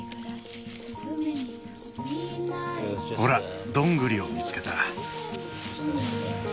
ほらどんぐりを見つけた。